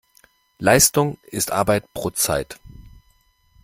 Leistung ist Arbeit pro Zeit.